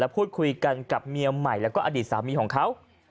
พูดคุยกันกับเมียใหม่แล้วก็อดีตสามีของเขา